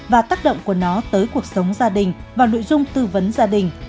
và tác động của nó tới cuộc sống gia đình vào nội dung tư vấn gia đình